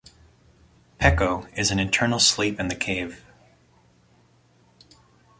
Peko is in eternal sleep in the cave.